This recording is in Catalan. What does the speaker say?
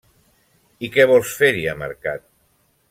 -I què vols fer-hi a mercat?